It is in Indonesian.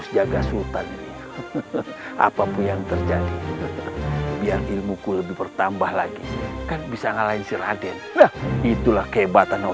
sampai jumpa di video selanjutnya